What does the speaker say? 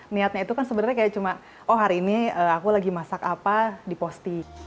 niatnya itu kan sebenarnya kayak cuma oh hari ini aku lagi masak apa diposting